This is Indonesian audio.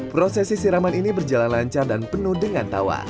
prosesi siraman ini berjalan lancar dan penuh dengan tawa